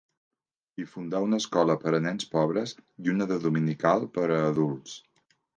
Hi fundà una escola per a nens pobres i una de dominical per a adults.